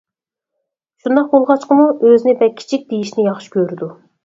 شۇنداق بولغاچقىمۇ ئۆزىنى بەك كىچىك دېيىشنى ياخشى كۆرىدۇ.